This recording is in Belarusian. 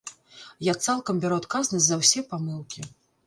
Я цалкам бяру адказнасць за ўсе памылкі.